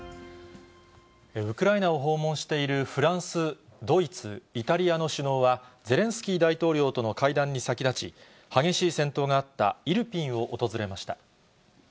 ウクライナを訪問しているフランス、ドイツ、イタリアの首脳は、ゼレンスキー大統領との会談に先立ち、激しい戦闘があったイルピンを訪れました。